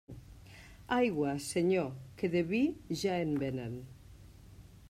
Aigua, Senyor, que de vi ja en venen.